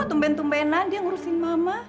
tumpen tumpenan dia ngurusin mama